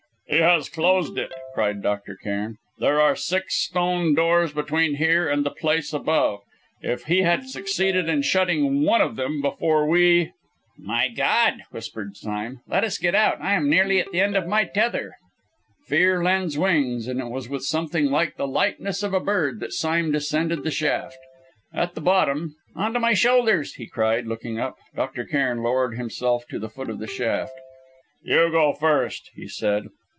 "He has closed it!" cried Dr. Cairn. "There are six stone doors between here and the place above! If he had succeeded in shutting one of them before we ?" "My God!" whispered Sime. "Let us get out! I am nearly at the end of my tether!" Fear lends wings, and it was with something like the lightness of a bird that Sime descended the shaft. At the bottom "On to my shoulders!" he cried, looking up. Dr. Cairn lowered himself to the foot of the shaft. "You go first," he said.